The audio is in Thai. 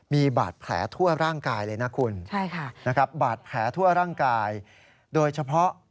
มีบาดแผลทั่วร่างกายเลยนะคุณบาดแผลทั่วร่างกายโดยเฉพาะ